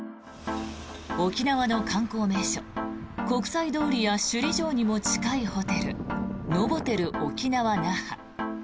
沖縄の観光名所国際通りや首里城にも近いホテルノボテル沖縄那覇。